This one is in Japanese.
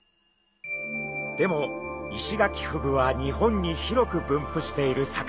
でもイシガキフグは日本に広く分布している魚。